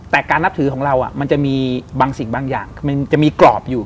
แต่การนับถือของเรามันจะมีบางสิ่งบางอย่างมันจะมีกรอบอยู่